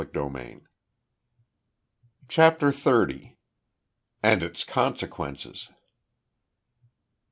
CHAPTER THIRTY. AND ITS CONSEQUENCES.